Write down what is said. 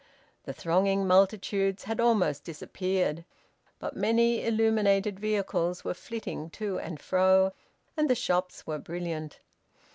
The thronging multitudes had almost disappeared; but many illuminated vehicles were flitting to and fro, and the shops were brilliant.